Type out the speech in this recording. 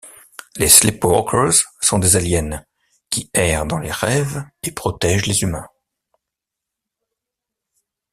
Les Sleepwalkers sont des aliens, qui errent dans les rêves, et protègent les humains.